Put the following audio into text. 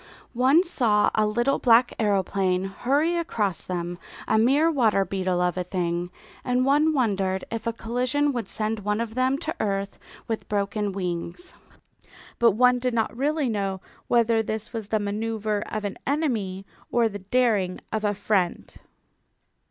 One saw a little black aeroplane hurry across them, a mere water beetle of a thing, and one wondered if a collision would send one of them to earth with broken wings. But one did not really know whether this was the manoeuvre of an enemy or the daring of a friend.